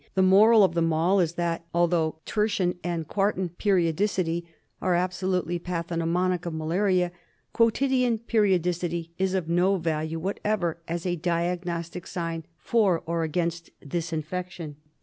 The moral of them all is that although tertian and quartan periodicity are absolutely pathognomonic of malaria, quotidian periodicity is of no value whatever as a diagnostic sign for or against this infection.